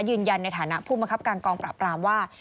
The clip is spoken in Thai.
ยืนยันในฐานะผู้มังคับการกองปราบรามว่า